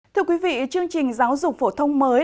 thưa quý vị chương trình giáo dục phổ thông mới